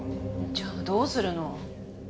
じゃあどうするの？